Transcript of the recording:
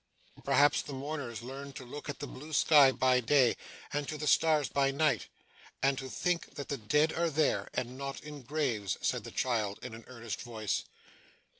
'Perhaps the mourners learn to look to the blue sky by day, and to the stars by night, and to think that the dead are there, and not in graves,' said the child in an earnest voice.